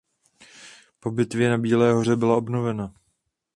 Po bitvě na Bílé Hoře byla obnovena.